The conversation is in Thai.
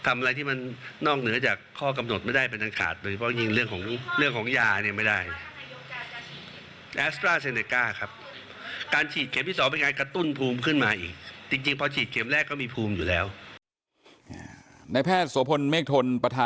ทำอะไรที่มันนอกเหนือจากข้อกำหนดไม่ได้เป็นเรื่องของเรื่องของยาเนี่ยไม่ได้